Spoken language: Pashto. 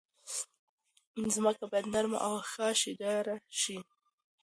ځمکه باید نرمه او ښه شدیاره شي.